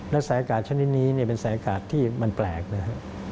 แล้วสายอากาศชนิดนี้เนี่ยเป็นสายอากาศที่มันแปลกนะฮะ